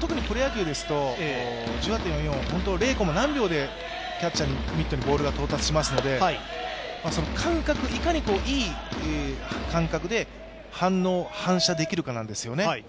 特にプロ野球ですと、１８．４４、何秒かでキャッチャーにミットにボールが到達しますのでいかにいい感覚で反応・反射できるかなんですよね。